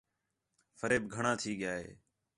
فریب گھݨاں تھی ڳِیا ہِے